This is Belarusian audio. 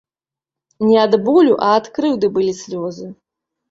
Не ад болю, а ад крыўды былі слёзы.